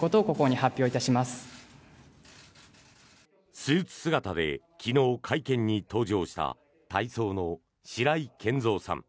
スーツ姿で昨日、会見に登場した体操の白井健三さん。